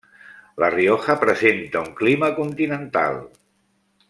La Rioja presenta un clima continental.